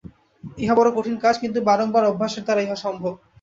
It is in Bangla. ইহা বড় কঠিন কাজ, কিন্তু বারংবার অভ্যাসের দ্বারা ইহা সম্ভব।